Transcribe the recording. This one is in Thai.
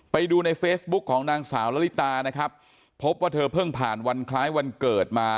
ไปดูในเฟซบุ๊กของนางสาวละลิตานะครับพบว่าเธอเพิ่งผ่านวันคล้ายวันเกิดมา